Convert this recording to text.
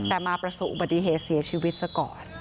แต่มาประสบอุบัติเหตุเสียชีวิตซะก่อน